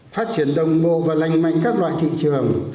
phát triển đồng bộ và lành mạnh các loại thị trường